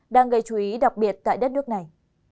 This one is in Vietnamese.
đang gây chú ý đặc biệt tại đất nước này